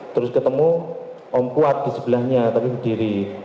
terus ketemu om kuat di sebelahnya tapi berdiri